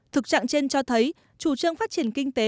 thực trạng trên cho thấy chủ trương phát triển kinh tế